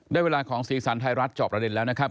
ได้เวลาของสีสันไทยรัฐจอบประเด็นแล้วนะครับ